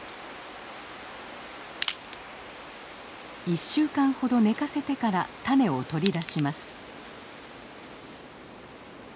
１週間ほど寝かせてから種を取り出します。